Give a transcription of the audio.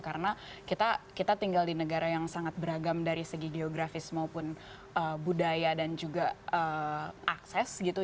karena kita tinggal di negara yang sangat beragam dari segi geografis maupun budaya dan juga akses gitu